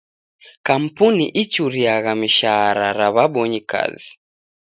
Kampuni ichuriagha mishara ra w'abonyi kazi.